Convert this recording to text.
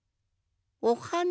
おはな